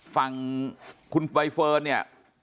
ฝั่งคุณใบเฟิร์นเนี่ย